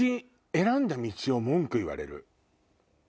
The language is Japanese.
選んだ道を文句言われる。